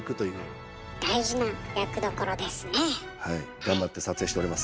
頑張って撮影しております。